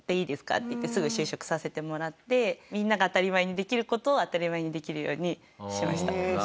っていってすぐ就職させてもらってみんなが当たり前にできる事を当たり前にできるようにしました。